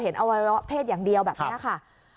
อวัยวะเพศอย่างเดียวแบบนี้ค่ะ